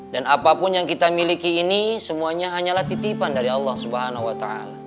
dan apapun yang kita miliki ini semuanya hanyalah titipan dari allah swt